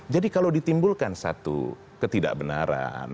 jadi kalau ditimbulkan satu ketidakbenaran